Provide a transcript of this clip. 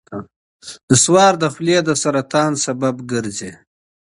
نصوار د خولې سرطان لامل ګرځي.